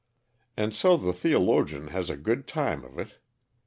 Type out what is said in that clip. And so the theologian had a good time of it.